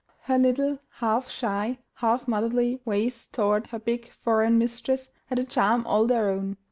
Her little, half shy, half motherly ways toward her big foreign mistress had a charm all their own.